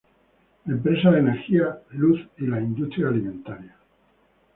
Empresa de energía, luz y las industrias alimentarias.